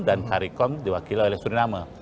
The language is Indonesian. dan caricom diwakili oleh indonesia